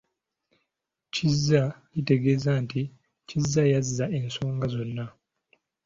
Kizza litegeeza nti Kizza y’azza ensonga zonna.